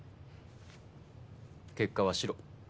結果はシロ。